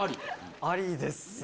ありですね。